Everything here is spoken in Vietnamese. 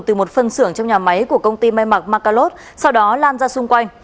thường xưởng trong nhà máy của công ty mê mặt macalot sau đó lan ra xung quanh